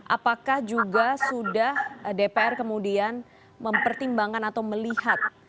apakah juga sudah dpr kemudian mempertimbangkan atau melihat